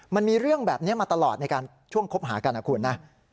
มันมีเรื่องแบบนี้มาตลอดในช่วงคบหากันนะคุณนะ